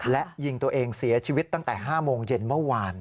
และยิงตัวเองเสียชีวิตตั้งแต่๕โมงเย็นเมื่อวาน